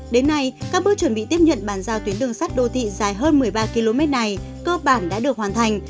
đến nay các bước chuẩn bị tiếp nhận bàn giao tuyến đường sắt đô thị dài hơn một mươi ba km này cơ bản đã được hoàn thành